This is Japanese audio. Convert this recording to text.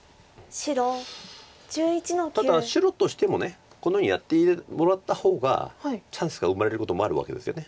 ただ白としてもこのようにやってもらった方がチャンスが生まれることもあるわけですよね。